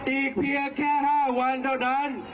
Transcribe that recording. อีกเพียงแค่๕วันเท่านั้น